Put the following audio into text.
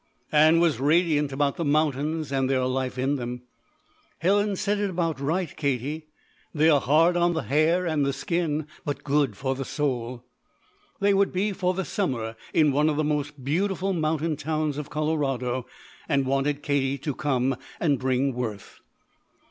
Ann was radiant about the mountains and their life in them. "Helen said it about right, Katie. They're hard on the hair and the skin but good for the soul!" They would be for the summer in one of the most beautiful mountain towns of Colorado and wanted Katie to come and bring Worth.